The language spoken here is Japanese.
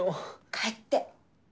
帰って。